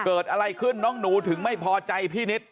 เกิดอะไรขึ้นน้องหนูถึงไม่พอใจพี่นิด